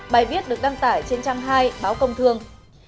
bài viết được đăng tải trên trang hai báo công thương